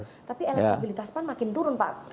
jadi elektrikitas pan makin turun pak